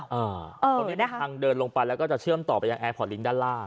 ตรงนี้นะคะทางเดินลงไปแล้วก็จะเชื่อมต่อไปยังแอร์พอร์ตลิงค์ด้านล่าง